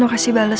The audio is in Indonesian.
om kasih balesan